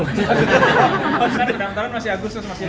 mas kan kedangkapan masih agus masih lama